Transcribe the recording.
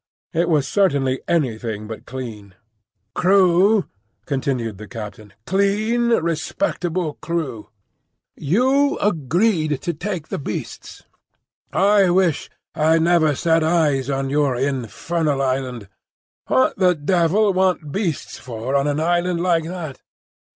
It was certainly anything but clean. "Crew," continued the captain, "clean, respectable crew." "You agreed to take the beasts." "I wish I'd never set eyes on your infernal island. What the devil—want beasts for on an island like that?